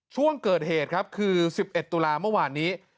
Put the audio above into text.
ช่วงเกิดเหตุครับคือ๑๑ตุลาเมื่อวานนี้